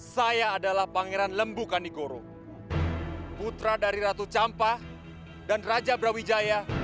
saya adalah pangeran lembu kanigoro putra dari ratu campah dan raja brawijaya